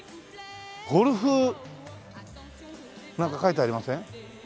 ゴルフなんか書いてありません？